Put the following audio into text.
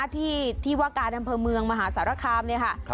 ที่วักกาดำเภอเมืองมหาสารคาร์มเนี่ยค่ะ